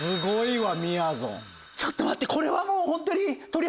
ちょっと待ってこれはもうホントに。